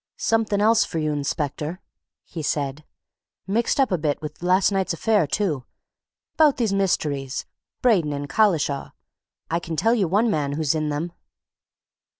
"Something else for you, inspector!" he said. "Mixed up a bit with last night's affair, too. About these mysteries Braden and Collishaw I can tell you one man who's in them."